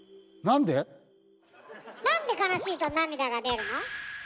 なんで悲しいと涙が出るの？